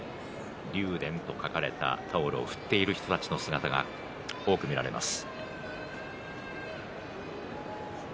竜電と書かれたタオルを振っている人たちの姿が多く見られます。